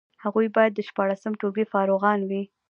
هغوی باید د شپاړسم ټولګي فارغان وي.